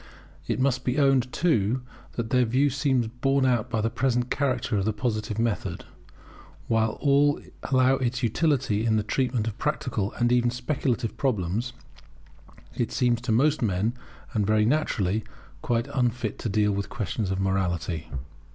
It must be owned, too, that their view seems borne out by the present character of the Positive method. While all allow its utility in the treatment of practical, and even of speculative, problems, it seems to most men, and very naturally, quite unfit to deal with questions of morality.